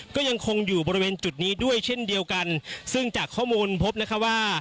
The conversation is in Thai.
ก็ยังคงอยู่บริเวณจุดนี้ด้วยเช่นเดียวกันซึ่งจากข้อมูลพบนะคะว่า